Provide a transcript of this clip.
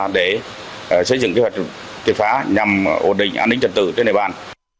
để xây dựng kế hoạch triệt phá nhằm ổn định an ninh trật tự trên địa bàn